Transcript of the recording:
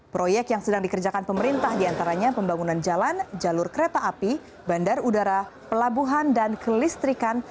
proyek yang sedang dikerjakan pemerintah diantaranya pembangunan jalan jalur kereta api bandar udara pelabuhan dan kelistrikan